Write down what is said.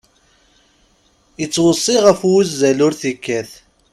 Ittweṣṣi ɣef wuzzal ur t-ikkat.